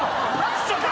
ちょっと。